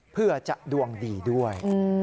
เพื่อจะดวงดีด้วย